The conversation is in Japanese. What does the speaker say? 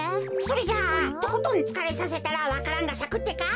それじゃあとことんつかれさせたらわか蘭がさくってか？